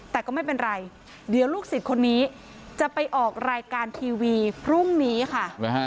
แต่ก็ไม่เป็นไรเดี๋ยวลูกศิษย์คนนี้จะไปออกรายการทีวีพรุ่งนี้ค่ะ